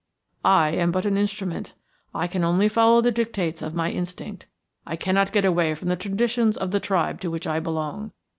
"I am but an instrument. I can only follow the dictates of my instinct. I cannot get away from the traditions of the tribe to which I belong.